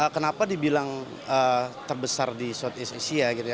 kenapa dibilang terbesar di southeast asia gitu ya